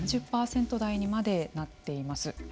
３０％台にまでなっています。